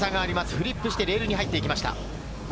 フリップしてレールに入っていきました。